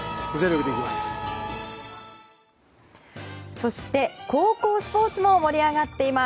そして、高校スポーツも盛り上がっています。